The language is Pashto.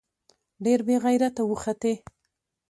ډېر بې غېرته وختې.